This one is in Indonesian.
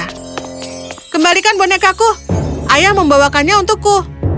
ayo kembalikan bonekaku ayah membawakannya untukku